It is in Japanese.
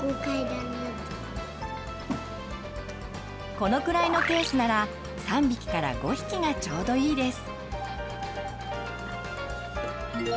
このくらいのケースなら３匹から５匹がちょうどいいです。